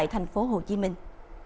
thành phố hồ chí minh